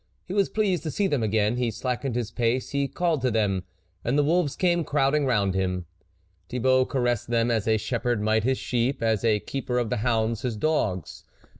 He was pleased to see them again ; he slackened his pace ; he called to them ; and the THE WOLF LEADER 73 wolves came crowding round him. Thi bault caressed them as a shepherd might his sheep, as a keeper of the hounds his dogs.